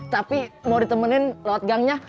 tapi mau ditemenin lewat gangnya